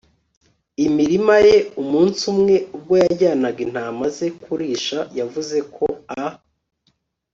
imirima ye. umunsi umwe, ubwo yajyanaga intama ze kurisha, yavuze ko a